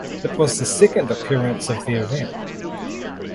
It was the second appearance of the event.